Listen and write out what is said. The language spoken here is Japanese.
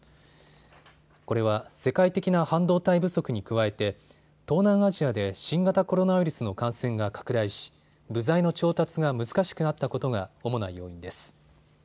これは世界的な半導体不足に加えて東南アジアで新型コロナウイルスの感染が拡大し部材の調達が難しくなったことが主な要因です。